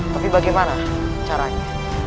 tapi bagaimana caranya